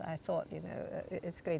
mereka mempengaruhi satu sama lain